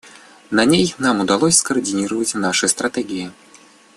На ней нам удалось скоординировать наши стратегии.